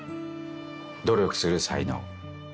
努力する才能。